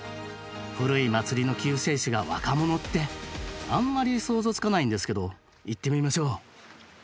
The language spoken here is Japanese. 古い祭りの救世主が若者ってあんまり想像つかないんですけど行ってみましょう！